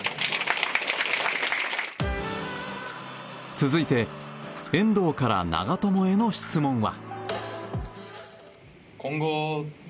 続いて遠藤から長友への質問は。